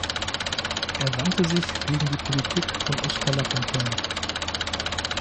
Er wandte sich gegen die Politik von Oskar Lafontaine.